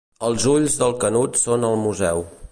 Els ulls del Canut són al museu.